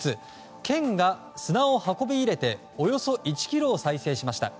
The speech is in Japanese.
県が砂を運び入れておよそ１ｋｍを再生しました。